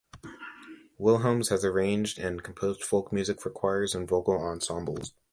Wilhelms has arranged and composed folk music for choirs and vocal ensembles.